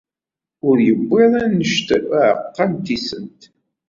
Ur yewwiḍ annect uɛeqqa n tisent.